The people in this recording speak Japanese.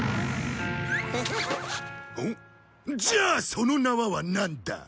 じゃあそのなわはなんだ？